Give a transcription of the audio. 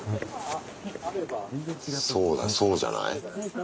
そうだそうじゃない？